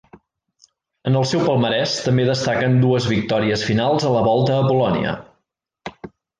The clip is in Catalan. En el seu palmarès també destaquen dues victòries finals a la Volta a Polònia.